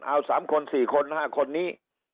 เอา๓คน๔คน๕คนนี้